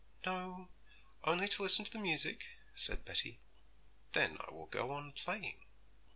'No, only to listen to the music,' said Betty. 'Then I will go on playing.'